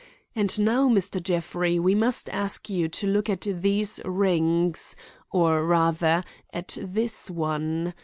And now, Mr. Jeffrey, we must ask you to look at these rings; or, rather, at this one.